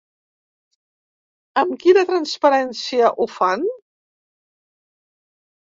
Amb quina transparència ho fan?